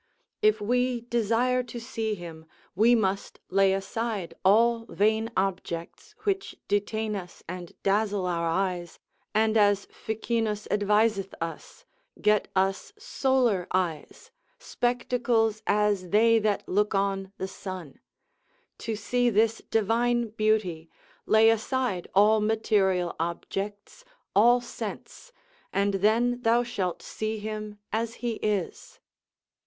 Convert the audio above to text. If we desire to see him, we must lay aside all vain objects, which detain us and dazzle our eyes, and as Ficinus adviseth us, get us solar eyes, spectacles as they that look on the sun: to see this divine beauty, lay aside all material objects, all sense, and then thou shalt see him as he is.